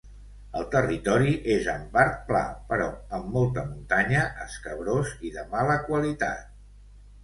El territori és en part pla, però amb molta muntanya, escabrós i de mala qualitat.